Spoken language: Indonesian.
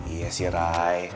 iya sih rai